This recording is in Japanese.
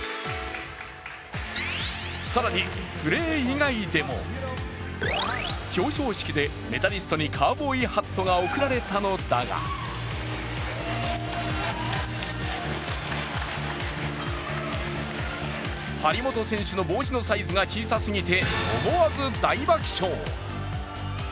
更に、プレー以外でも、表彰式でメダリストにカウボーイハットが贈られたのだが張本選手の帽子のサイズが小さすぎて思わず大爆笑。